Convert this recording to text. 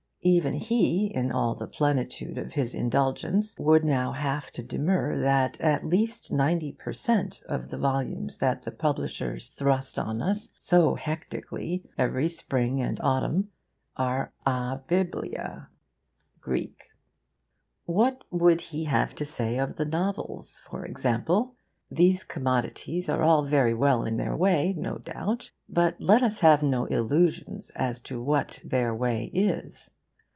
Even he, in all the plenitude of his indulgence, would now have to demur that at least 90 per cent. of the volumes that the publishers thrust on us, so hectically, every spring and autumn, are abiblia [Greek]. What would he have to say of the novels, for example? These commodities are all very well in their way, no doubt. But let us have no illusions as to what their way is.